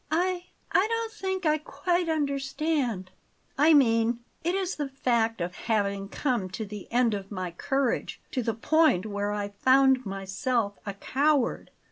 "I don't think I quite understand." "I mean, it is the fact of having come to the end of my courage, to the point where I found myself a coward."